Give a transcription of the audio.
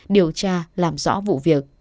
điều tra làm rõ vụ việc